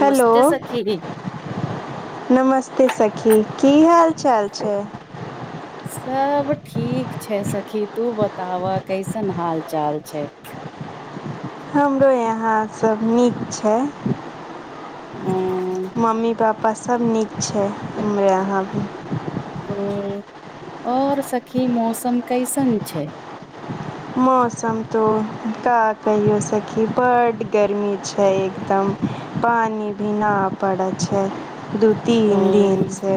हलो, सखी नमस्ते सखी, की हाल चाल छै? सब ठीक छै सखी, तु बताब कैसन हाल चाल छै? हमरो यहाँ सब नीक छै। ओ मम्मी पा पा सब नीक छै। घरमे अहांके और सखी मौसम कैसन छै? मौसम त का कहियो सखी बड गर्मी छै, एकदम पानि भी ना पड़ै छै। दु तीन दिनसे।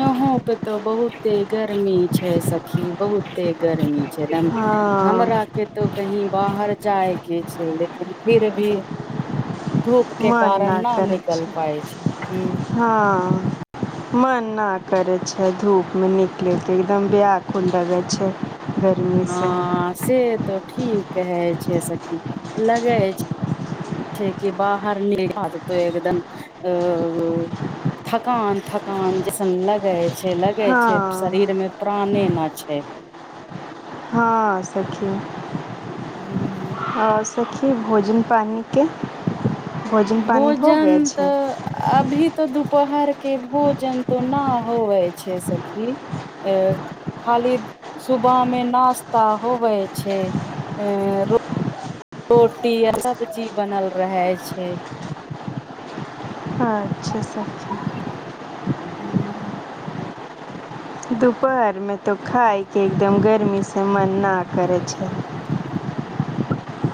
यहं पे त बहुते गर्मी छै सखी बहुते गर्मी। चलन, हँ हमरा के त कहीं बाहर जाय के छै लेकिन फिर भी धुप के मन कारण ना करै निकल छै पाइ छै, हुं। हँ मन ना करै छै धुपमे निकलैके, एकदम व्याकुल लगै छै। गर्मी से हां, से त ठीक कहै छै सखी लगै अछि छै कि बाहर निकलतै एकदम, अ थकान थकान जैसन लगै छै, लगै छै हँ शरीर मे प्राणे मा छै हां, सखी। हुं। की भोजन पानीके भोजन त अभी त दु पहर के भोजन त ना होवै छै सखी, खाली सुबह मे नाश्ता होवै छै। रोटी आ सब्जी बनल रहै छै। अच्छा सखी हुं। दुपहरमे त खायके एकदम गर्मी से मन ना करै छै।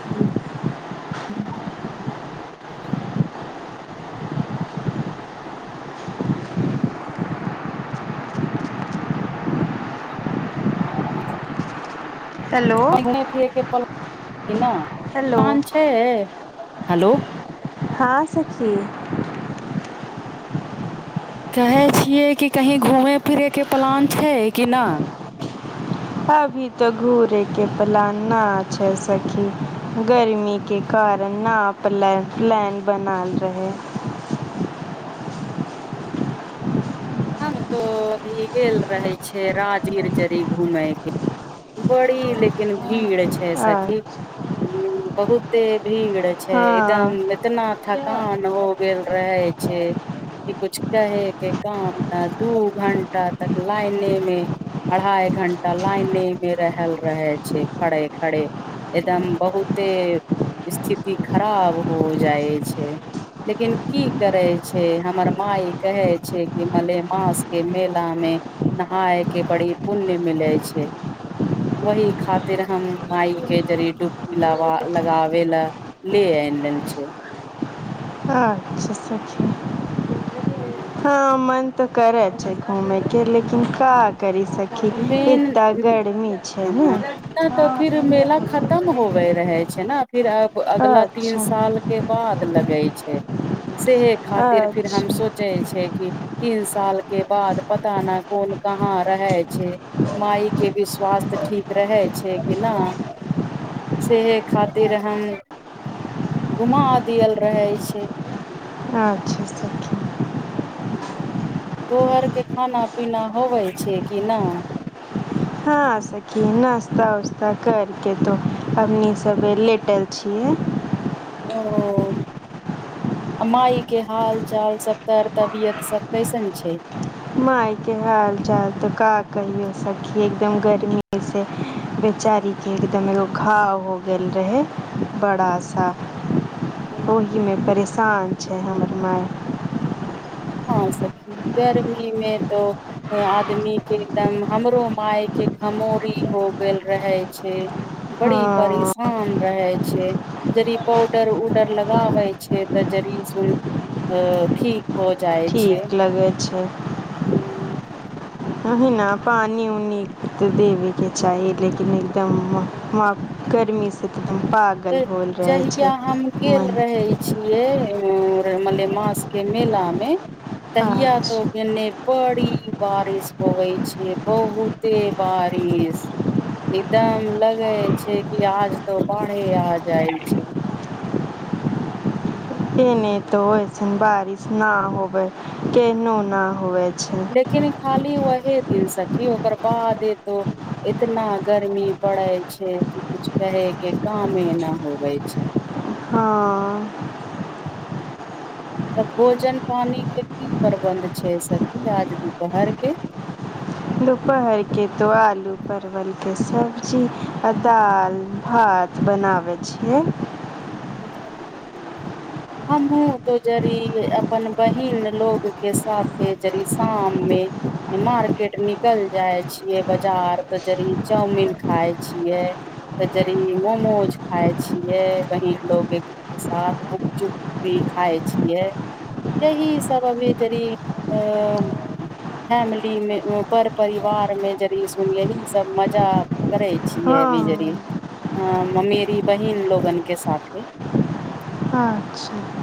हुं हुं। हेलो [unintelligible] पहिने छियै कि पल ना हेलो काम छै? हेलो। हां सखी। कहै छियै कि कहीँ घुमय फिरयके पलान छै कि ना? अभी त घुरय के पलान ना छै सखी, गर्मी के कारण न पल प्लान बनल रहै। हम तो अभी गेल रहै छै राजगीर जरी घुमय के, बड़ी लेकिन भीड़ अच्छा। हुं बहुते। भीड़ छै एकदम एतना थकान हो गेल रहै छै। कि कुछ कहे के काम नै, दू घंटा तक लाइने मे अढ़ाई घंटा लाइने मे रहल रहै छै खड़े खड़े, एकदम बहुते स्थिति खराब हो जाइ छै, लेकिन की करै छै ह मर माय कहै छै कि मलेमास के मेला मे नहाय के बड़ी पुण्य मिले छै वही खातिर हम माय के जड़े डुबकी ला लगाबे ला, ले आबै छै। अच्छा सखी। हुं। हां मन त करै छै घुमय के लेकिन का करी सखी मेन, एता गर्मी छै ने हां, नै त फिर मेला खतम होबै रहै छै ना फिर अब अगला तीन अच्छा साल के बाद लगतै रहै छै। से ऐ खातिर फिर हम अच्छा सोचै छै कि तीन साल के बाद पता न कोन कहाँ रहै छै, मायके भी स्वास्थ्य ठीक रहै छै कि ना, सेहे खातिर हम घुमा देल रहै छै। अच्छा। सखी तो आर के खाना पीना होबै छै कि ना? हां सखी नास्ता उस्ता करके त अपनी सबे लेटल छियै। ओ, आ माय के हाल चाल सब तर तबियत सब कैसन छै? मायके हाल चाल त का कहियो सखी एकदम गर्मीएसे बेचारीके एकदम एगो घाव हो गेल रहै बड़ा सा। ओहि मे परेशान छै हमर माय हां सखी गर्मी मे त आदमी के एकदम, हमरो माय के घमोरी हो गेल रहे छै। बड़ी हँ परेशान रहै छै, जड़ी पौडर-उडर लगाबै छै तऽ जड़ी सुन अ ठीक हो जाइ छै ठीक लगै छै। [unintelligible] ओहि ना पानी-उनी के देबे के चाही लेकिन एकदम मा मा गर्मी से ते के जहिया हम गेल मन रहै छियै मलमास के मेला मे तहिआ तो गेने पड़ी कि बारिश होवे छै बहुते बारिश, एकदम लगै छै कि आज त पा तें आ जाइ छै। इन्ने तो ओयसन बारिश ना होवै, केेहनो ना होवे। छै लेकिन खाली वहे दिन सखी ओकर बादे तो एतना गर्मी पड़े छै कि कुछ कहै के कामे ना होबै छै। हँ तऽ भोजन पानी के की प्रबन्ध छै सखी आज दुपहर के। दुपहर के तो आलू, परवल के सब्जी आ दाल, भात बनाबै छियै। हमहु तो जड़ी अपन बहिन लोग के साथे जड़ी शाम मे मार्केट निकल जाय छियै बजार तऽ जड़ी चाउमिन खाय छियै ते जड़ी मोमोज खाय छियै। बहिन लोगे [unintelligible] के साथ गुपचुप भी खाय छियै, यही सब अभी जड़ी ए फैमिली मे पर परिवार मे जड़ी सुन लही सब मजा करे छियै हँ अभी जड़ी आ ममेरी बहिन लोगन के साथे। अच्छा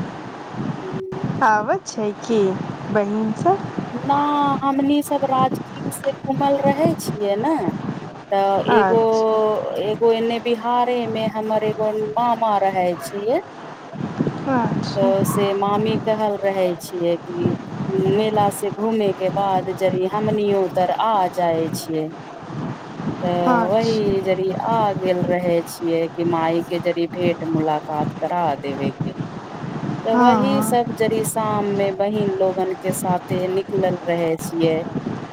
हुं। आबै छै की बहिन सब। ना हमनी सब राजगीर से घूमल रहै छियै नै। तऽ एगो अच्छा एक कोय इन्ने बिहारे मे हमर एगो मामा रहै छियै। अच्छा तऽ से मामी कहल रहै छियै कि उम्म मेला से घूमे के बाद जड़ी हमनियो उधर आ जाय छियै। तऽ वही अच्छा जड़ी आ गेल रहे छियै कि माई के जड़ी भेट मुलाकात करा देबे के। त वही हँ सब जड़ीस शाम मे बहिन लोगन के साथे निकलल रहे छिये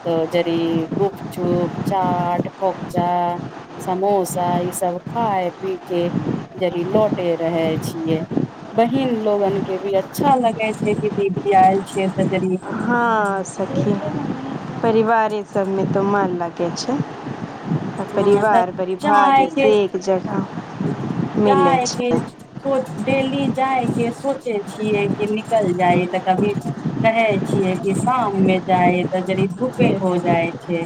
तऽ जड़ी गुपचुप, चाट, फोकचा, समोसा ई सब खाय पी के जड़ी लौटे रहै छिये। बहिन लोगन के भी अच्छा लगे छै कि दीदी आएल छै ते जड़ी हाँ सखी परिवारे सब मे तऽ मन लगै छै। अ ह तऽ परिवार बड़ी भाग से एक जगह ऊं मिलै जाय के छै सो डेली जाय के सोचै छियै कि निकल जाइ ते कभी कहै छियै कि शाम मे जाय ते जड़ी धूपे हो जाय छै।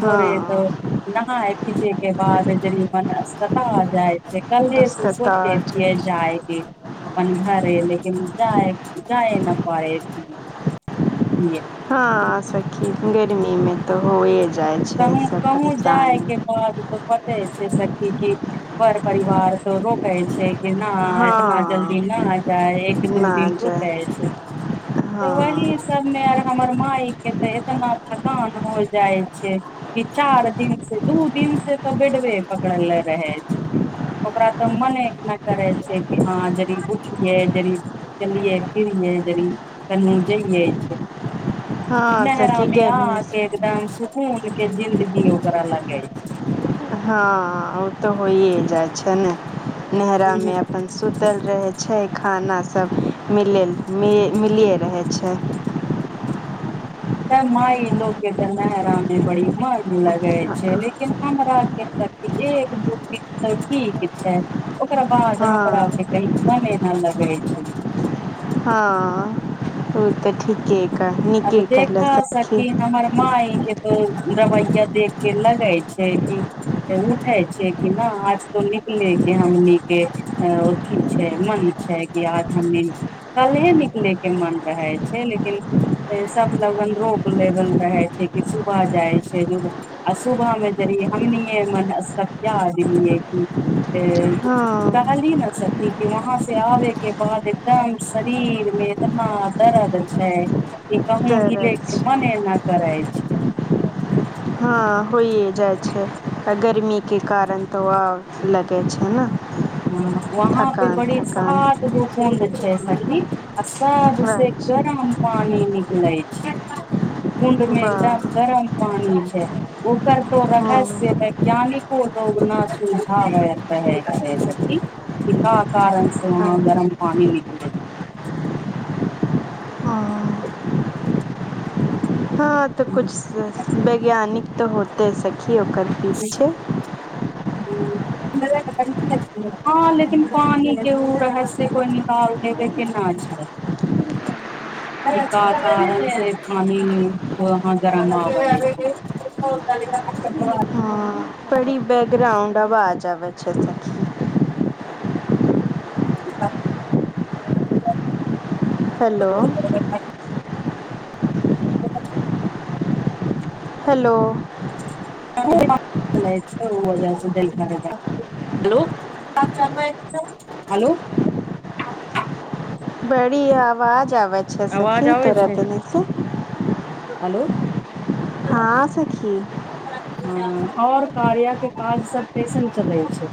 हँ त नहाए फीचै के बाद जड़ी मन स्थ भ जाय छै। कल्हे से सोचे अस्पताल जाइ छीये छै जाय के। अपन घरे लेकिन जाय, जाय ना पाए छी छीये। हाँ सखी गे गर्मी मे तऽ होए जाय छै कहूँ सब परेशानी। सी क पर परिवार त रोकै छै नहि इतना हँ जल्दी न आ जाय एक दू ना दिन जाय रुकै छै हँ तऽ वह सबमेर हमर माके एतना साँझ हो जाय छै कि चार दिन से दू दिन से तऽ बेडबे पकड़ल रहै छै, ओकरा तऽ मने ना करै छै कि हाँ जड़ी उठियै, जड़ी चलियै-फिरयै, जड़ी कन्हु जैयये छै। हँ स नहरा की मे आ गर्मी से एकदम खन के जिन्दगी ओकरा लगइ छै हँ त होइे जाय छै ने नहरा में तऽ अपन सुतल रहे छै खाना सब मिल म मिलिए रहै छै तऽ मााय लोक के त नरा मे बड़ी मन लगै छै लेकिन हमरा के एक दू दिन त ठीक छै प्रबाव जहाँ कर हँ छै क मनेे नेल भतै होर तऽ ठीके कह अब नीके कहलऽ देखा सखी सकी हमर माँ ह त रवैया देख के लगै छै कि तऽ उठै छै कि नहि आज तो निकले के हमने अथी छै मन छै कि आज हमनी कल्हे निकले के मन रहै छै लेकिन सब लगन रोक लेगल रहै छै कि सुबह जाइ छै आ सुबह मे ज हमनिए मन स्य देलियै कि हँ कहली ने सखी कि वहां से आबे के बाद एकदम शरीर मे इतना दर्द छै ई कहू हीले दरद के मने एना कराय छै हँ होइए जाइ छै आ गर्मीे कारण तऽ ओ आ लगै छै ने ह वहाँ पे थकान बड़े थकान साात गो प अछास ह असा दस एक अच्छा गराम पान निकलै छ कुण्डमे एकदम वाह गरम पानी छै ओ कर तो रहस्य हँ वैज्ञानिक लोग न सुविधा हो है छै [unintelligible] काराम से वहाँ गरम पानी ज हँ हँ तऽ कुछ वैज्ञानिक तऽ होत त सकी क ओकर पीट छै हँ लेकिन पानी के ओ रहस्य कोइ निकाल लबे केना छै पान जाना रबााजबै छै सेी हाँ। Hello [unintelligible] [unintelligible] hello. हेलो हो हेलो बड़ी य आवाज आबै छै आवाज सखी आबै तोरा छै देनेसँ हेलो हां सखी। हँ और कार्या के काज सब कइसन चलै छै?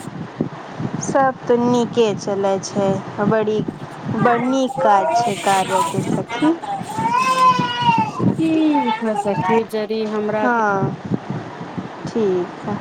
सब त नीके चलै छै। बड़ी बड़ नीक काज छै कार्यके सखी। की छै सखी। जड़ी हँ हमराके ठीक ह